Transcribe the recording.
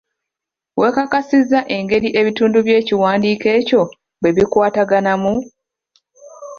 Weekakasizza engeri ebintundu by'ekiwandiiko ekyo bwe bikwataganamu?